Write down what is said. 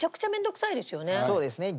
そうですね。